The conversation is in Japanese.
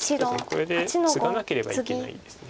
これでツガなければいけないんです。